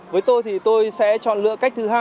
với tôi thì tôi sẽ chọn lựa cách thứ hai